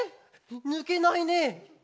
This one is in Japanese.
ぬけないねえ！！」